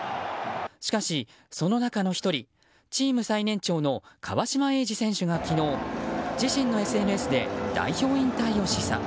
しかし、その中の１人チーム最年長の川島永嗣選手が昨日、自身のＳＮＳで代表引退を示唆。